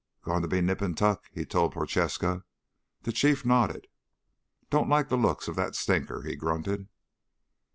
"Going to be nip and tuck," he told Prochaska. The Chief nodded. "Don't like the looks of that stinker," he grunted.